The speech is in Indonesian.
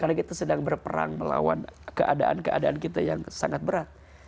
karena kita sedang berperang melawan keadaan keadaan kita yang sangat berat